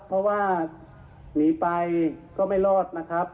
เพราะว่าหนีไปก็ไม่รอดนะครับ